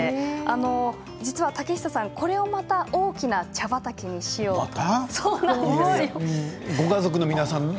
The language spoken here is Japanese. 実は武久さんこれをまた大きな茶畑にしようと。